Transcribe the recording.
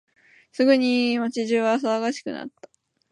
すぐに街中は騒がしくなった。